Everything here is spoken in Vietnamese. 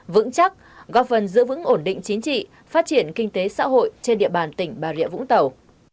vững chắc góp phần giữ vững ổn định chính trị phát triển kinh tế xã hội trên địa bàn tỉnh bà rịa vũng tàu